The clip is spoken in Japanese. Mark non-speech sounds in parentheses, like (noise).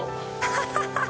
ハハハ (laughs)